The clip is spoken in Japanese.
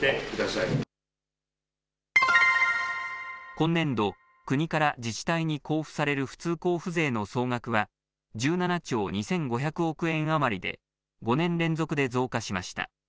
今年度、国から自治体に交付される普通交付税の総額は１７兆２５００億円余りで５年連続で増加しました。